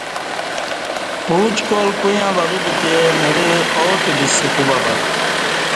پعوچکال کویاں ولو بوتہ مڑہ آتہ بیسہ کوبہ بہ